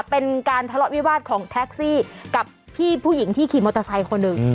เป็นการทะเลาะวิวาสของแท็กซี่กับพี่ผู้หญิงที่ขี่มอเตอร์ไซค์คนหนึ่ง